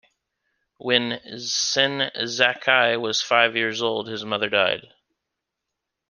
When Senzaki was five years old his mother died.